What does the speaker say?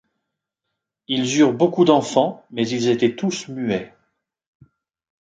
Ils eurent beaucoup d'enfants, mais ils étaient tous muets.